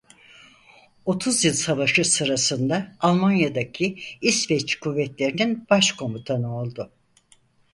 Otuz Yıl Savaşı sırasında Almanya'daki İsveç kuvvetlerinin baş komutanı oldu.